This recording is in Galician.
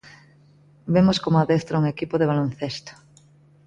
Vemos como adestra un equipo de baloncesto.